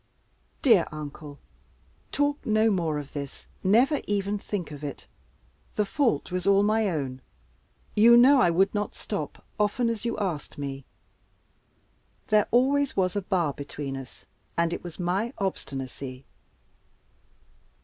"Dear uncle, talk no more of this never even think of it. The fault was all my own. You know I would not stop, often as you asked me. There always was a bar between us, and it was my obstinacy."